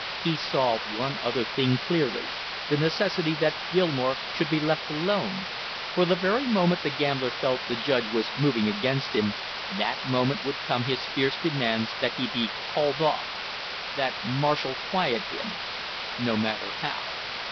He saw one other thing clearly, the necessity that Gilmore should be left alone; for the very moment the gambler felt the judge was moving against him, that moment would come his fierce demands that he be called off that Marshall quiet him, no matter how.